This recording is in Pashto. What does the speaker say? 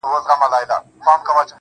چي ستا ديدن وي پكي كور به جوړ سـي.